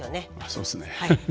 そうですね。